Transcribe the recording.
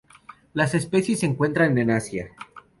Las especies se encuentran en Asia.